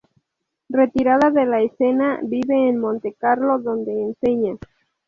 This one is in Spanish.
Retirada de la escena vive en Montecarlo donde enseña.